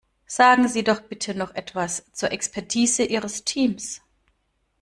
Sagen Sie doch bitte noch etwas zur Expertise Ihres Teams.